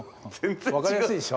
分かりやすいでしょ？